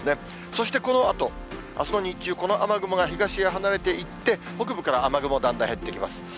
そしてこのあと、あすの日中、この雨雲が東へ離れていって、北部から雨雲だんだん減ってきます。